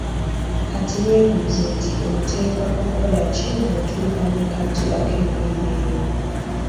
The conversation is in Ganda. Kati weebuuze nti oteekwakukola ki bw'otuuka mu kattu ak'engeri eyo?